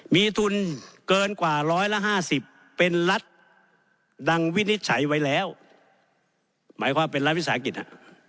มีทุนเกินกว่าร้อยละ๕๐เป็นรัฐดังวินิจฉัยไว้แล้วหมายความเป็นรัฐวิสาหกิจอ่ะ